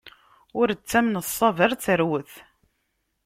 Ur ttamen ṣṣaba ar terwet!